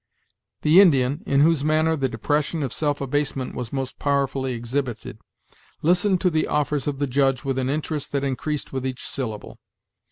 The Indian, in whose manner the depression of self abasement was most powerfully exhibited, listened to the offers of the Judge with an interest that increased with each syllable.